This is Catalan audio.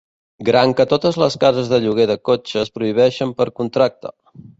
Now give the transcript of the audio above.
Gran que totes les cases de lloguer de cotxes prohibeixen per contracte.